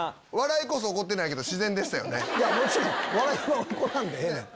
もちろん笑いは起こらんでええねん。